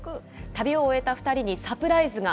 旅を終えた２人にサプライズが。